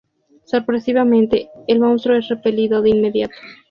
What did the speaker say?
Sorpresivamente, el monstruo es repelido de inmediato.